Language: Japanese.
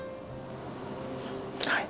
はい。